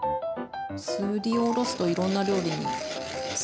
すりおろすといろんな料理に使えます。